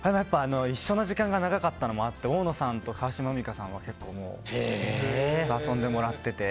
一緒の時間が長かったのもあって大野さんと川島海荷さんは遊んでもらってて。